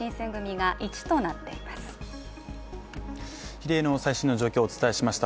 比例の最新の情報をお伝えしました。